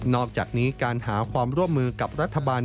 อกจากนี้การหาความร่วมมือกับรัฐบาล